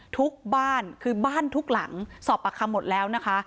ทุกบ้านคือบ้านทุกหลังสอบปากคำหมดแล้วนะคะ